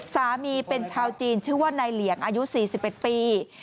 สามีเป็นชาวจีนชื่อว่านายเหลี่ยงอายุสี่สิบเอ็ดปี